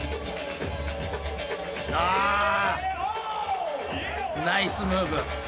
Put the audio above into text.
あナイスムーブ。